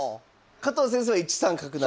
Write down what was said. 加藤先生は１三角成。